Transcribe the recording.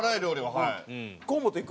はい。